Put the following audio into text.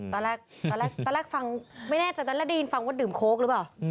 ตอนแรกตอนแรกฟังไม่แน่ใจตอนแรกได้ยินฟังว่าดื่มโค้กหรือเปล่า